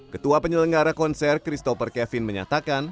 ketua penyelenggara konser christopher kevin menyatakan